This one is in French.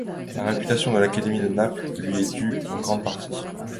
La réputation de l'Académie de Naples lui est due en grande partie.